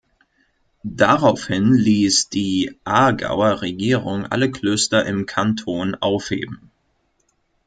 Daraufhin liess die Aargauer Regierung alle Klöster im Kanton aufheben.